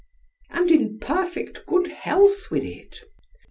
——"And in perfect good health with it?"